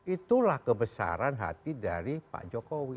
itulah kebesaran hati dari pak jokowi